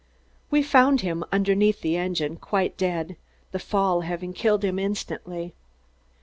We found him underneath the engine, quite dead, the fall having killed him instantly.